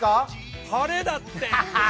晴れだって！